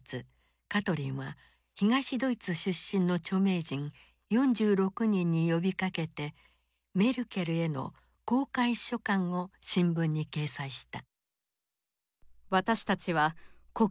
カトリンは東ドイツ出身の著名人４６人に呼びかけてメルケルへの公開書簡を新聞に掲載した。